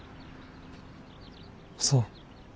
そう。